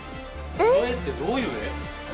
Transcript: これってどういう絵？